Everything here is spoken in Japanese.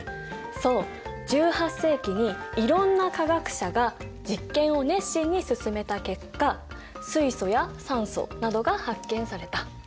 そう１８世紀にいろんな化学者が実験を熱心に進めた結果水素や酸素などが発見された。